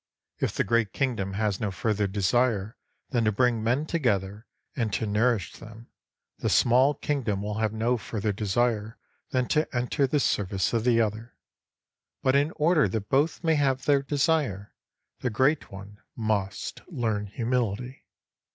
If the great kingdom has no further desire than to bring men together and to nourish them, the small kingdom will have no further desire than to enter the service of the other. But in order that both may have their desire, the great one must learn humility.